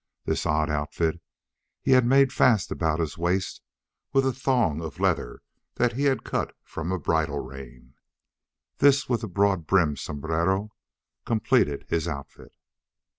This odd outfit he had made fast about his waist with a thong of leather that he had cut from a bridle rein. This, with the broad brimmed sombrero, completed his outfit.